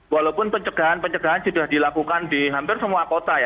walaupun pencegahan pencegahan sudah dilakukan di hampir semua kota ya